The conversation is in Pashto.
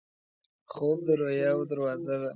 خوب د رویاوو دروازه ده